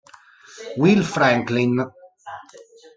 Will Franklin